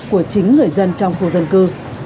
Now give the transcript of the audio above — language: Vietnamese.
của chính người dân trong khu dân cư